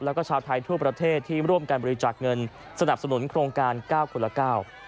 แล้วก็ชาวไทยทั่วประเทศที่ร่วมการบริจาคเงินสนับสนุนโครงการเก้าคนละเก้า